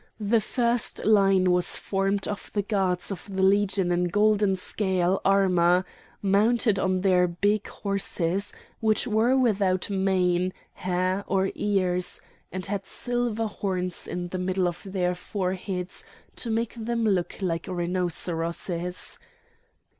The first line was formed of the guards of the Legion in golden scale armour, mounted on their big horses, which were without mane, hair, or ears, and had silver horns in the middle of their foreheads to make them look like rhinoceroses.